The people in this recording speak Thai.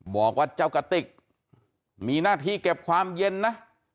บอกว่าเจ้ากะติกมีหน้าที่เก็บความเย็นนะ